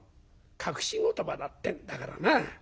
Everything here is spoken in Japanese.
隠し言葉だってんだからな。